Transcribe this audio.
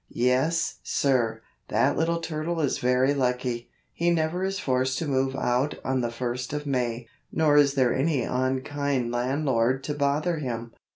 Yes, sir, that little turtle is very lucky; he never is forced to move out on the first of May, nor is there any unkind landlord to bother him.